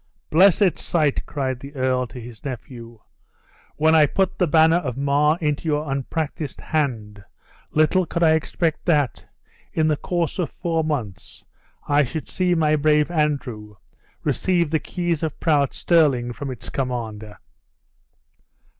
"Blessed sight!" cried the earl, to his nephew. "When I put the banner of Mar into your unpracticed hand, little could I expect that, in the course of four months, I should see my brave Andrew receive the keys of proud Stirling from its commander!"